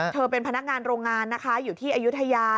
เธอเป็นพนักงานโรงงานอยู่ที่อายุทยา